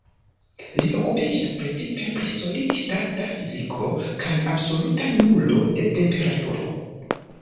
Li okupiĝas precipe pri solid-stata fiziko kaj absoluta nulo de temperaturo.